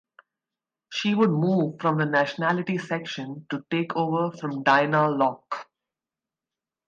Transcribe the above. She would move from the nationality section to take over from Diana Locke.